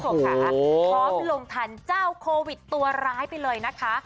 พร้อมลงทันเจ้าโควิดตัวร้ายไปเลยนะคะ